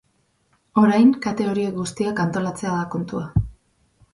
Orain kate horiek guztiak antolatzea da kontua.